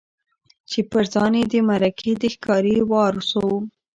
چي پر ځان یې د مرګي د ښکاري وار سو